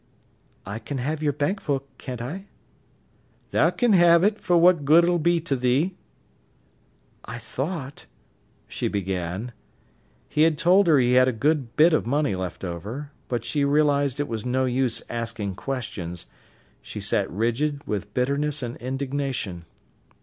"I can have your bank book, can't I?" "Tha can ha'e it, for what good it'll be to thee." "I thought—" she began. He had told her he had a good bit of money left over. But she realised it was no use asking questions. She sat rigid with bitterness and indignation.